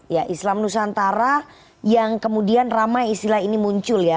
ya islam nusantara yang kemudian ramai istilah ini muncul ya